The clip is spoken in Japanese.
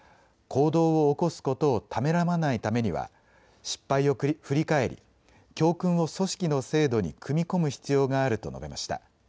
行動を起こすことをためらわないためには失敗を振り返り、教訓を組織の制度に組み込む必要があると述べました。